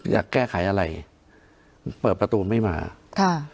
อยากแก้ไขอะไรเปิดประตูไม่มาค่ะ